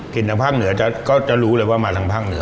ทางภาคเหนือก็จะรู้เลยว่ามาทางภาคเหนือ